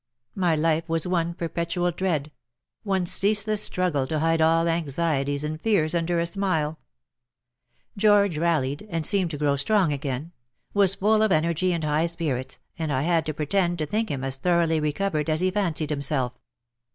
My life was one perpetual dread — one ceaseless struggle to hide all anxieties and fears under a smile. George rallied, and seemed to grow strong again — was full of energy and high spirits, and I had to pretend to think him as tho roughly recovered as he fancied himself.